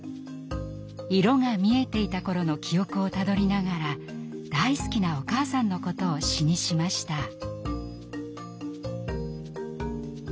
色が見えていた頃の記憶をたどりながら大好きなお母さんのことを詩にしました。